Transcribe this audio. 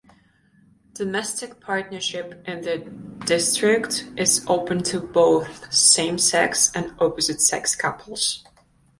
Domestic partnership in the District is open to both same-sex and opposite-sex couples.